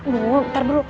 bu bentar dulu